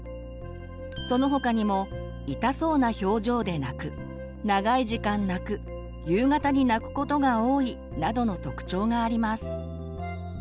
その他にも痛そうな表情で泣く長い時間泣く夕方に泣くことが多いなどの特徴があります。